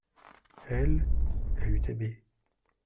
Elle, elle eut aimé.